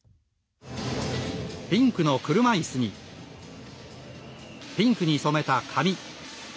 ピンクの車いすにピンクに染めた髪。